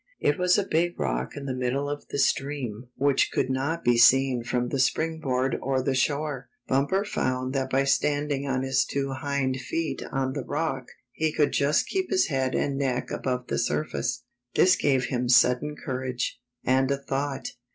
It was a big rock in the middle of the stream 56 The Test of Wits which could not be seen from the spring board or the shore. Bumper found that by standing on his two hind feet on the rock, he could just keep his head and neck above the surface. This gave him sudden courage, and a thought.